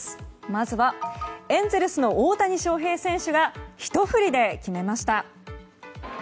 まずはエンゼルスの大谷翔平選手がひと振りで決めました。